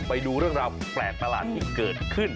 ไปดูเรื่องราวแปลกประหลาดที่เกิดขึ้น